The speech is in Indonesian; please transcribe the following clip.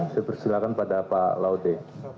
saya persilahkan pada pak laude